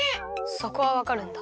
そこはわかるんだ？